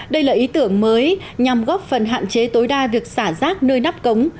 đây là ý tưởng mới nhằm góp phần hạn chế tối đa việc xả rác nơi nắp cống